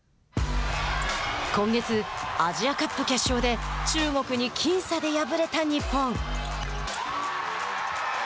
今月、アジアカップ決勝で中国に僅差で敗れた日本。